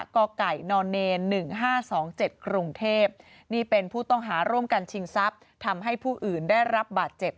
กไก่น๑๕๒๗กรุงเทพนี่เป็นผู้ต้องหาร่วมกันชิงทรัพย์ทำให้ผู้อื่นได้รับบาดเจ็บ